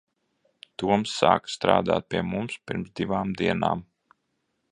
Toms sāka strādāt pie mums pirms divām dienām.